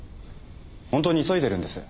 本当に急いでるんです。